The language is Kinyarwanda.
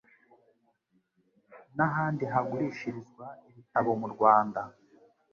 n'ahandi hagurishirizwa ibitabo mu Rwanda.